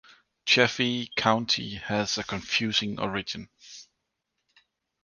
Chaffee County has a confusing origin.